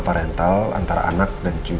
kris mengat champion anda dulu